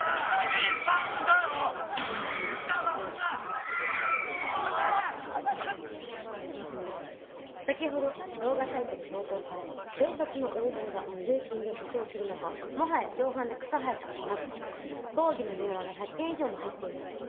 パチパチパチ先ほど動画サイトで投稿され警察の横暴だ税金で補償するのかもはや共犯で草生えたなど抗議の電話が１００件以上も入っています。